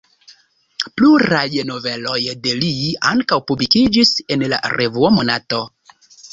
Pluraj noveloj de li ankaŭ publikiĝis en la revuo Monato.